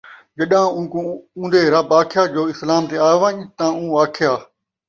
ڄَݙاں اوکوں اُون٘دے رَبّ آکھیا جو اِسلام تے آوَن٘ڄ تاں اُوں آکھیا ،